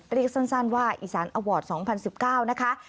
เรียกสั้นว่าอีสานอวอร์ด๒๐๑๙นะคะ